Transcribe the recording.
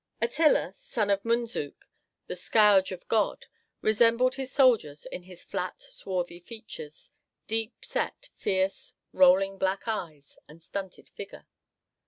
Attila, son of Mundzuk, "the scourge of God," resembled his soldiers in his flat, swarthy features, deep set, fierce, rolling black eyes, and stunted figure.